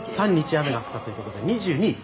雨が降ったということで２２位。